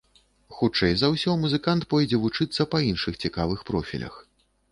Хутчэй за ўсё музыкант пойдзе вучыцца па іншых цікавых профілях.